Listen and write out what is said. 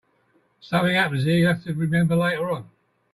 Something happens here you'll have to remember later on.